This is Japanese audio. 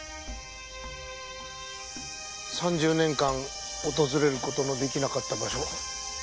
３０年間訪れる事の出来なかった場所。